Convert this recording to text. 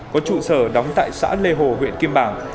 có trụ sở đóng tại xã lê hồ huyện kim bảng